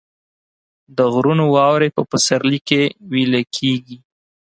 د غرونو واورې په پسرلي کې ویلې کیږي